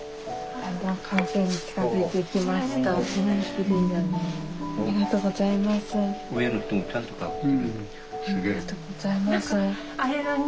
ありがとうございます。